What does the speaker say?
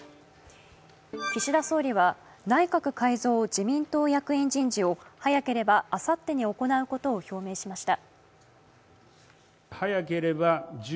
岸田総理は内閣改造・自民党役員人事を早ければあさってに行うことを表明しました。